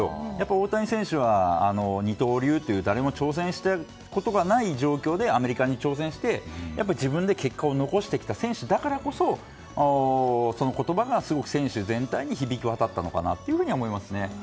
大谷選手は、二刀流という誰も挑戦したことがない状況でアメリカに挑戦して自分で結果を残してきた選手だからこそ、その言葉が選手全体に響き渡ったのかなと思いますね。